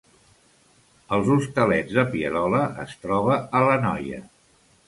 Els Hostalets de Pierola es troba a l’Anoia